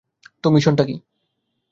তো, মিশনটা কী?